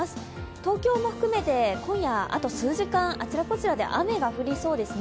東京も含めて今夜、あと数時間あちらこちらで雨が降りそうですね。